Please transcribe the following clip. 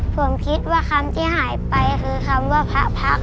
ผมคิดว่าคำที่หายไปคือคำว่าพระพักษ